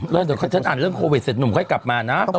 แล้วเดี๋ยวฉันอ่านเรื่องโควิดเสร็จหนุ่มค่อยกลับมานะ